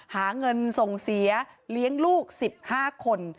หาเงินส่งเสียเลี้ยงลูก๑๕คน